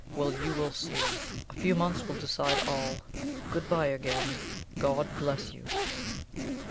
Well, you will see! A few months will decide all. Good bye again; God bless you!"